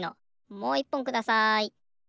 もういっぽんください。